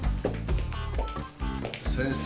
先生。